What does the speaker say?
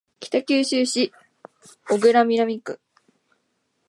北九州市小倉南区